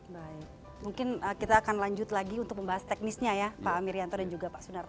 baik mungkin kita akan lanjut lagi untuk membahas teknisnya ya pak amir yanto dan juga pak sunar